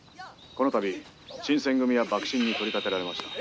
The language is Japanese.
「この度新選組は幕臣に取り立てられました」。